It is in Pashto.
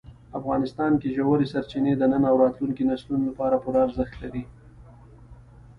افغانستان کې ژورې سرچینې د نن او راتلونکي نسلونو لپاره پوره ارزښت لري.